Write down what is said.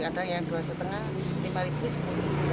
ada yang rp dua lima ratus rp lima rp sepuluh